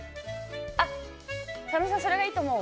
佐野さん、それがいいと思う？